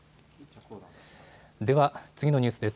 では次のニュースです。